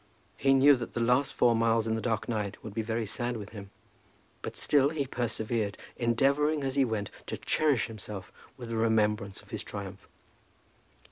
He knew that the last four miles in the dark night would be very sad with him. But still he persevered, endeavouring, as he went, to cherish himself with the remembrance of his triumph.